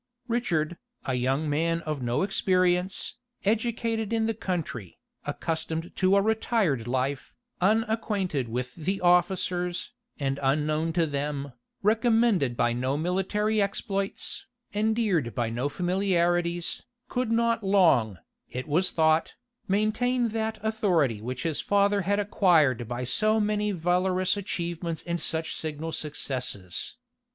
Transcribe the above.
Richard, a young man of no experience, educated in the country, accustomed to a retired life, unacquainted with the officers, and unknown to them, recommended by no military exploits, endeared by no familiarities, could not long, it was thought, maintain that authority which his father had acquired by so many valorous achievements and such signal successes.